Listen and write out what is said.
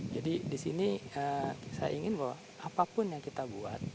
jadi disini saya ingin bahwa apapun yang kita buat